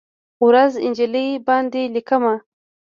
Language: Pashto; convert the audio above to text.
ورځ، نجلۍ باندې لیکمه